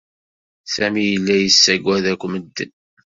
Sami yella yessaggad akk medden.